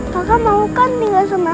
kakak mau kan tinggal sama aku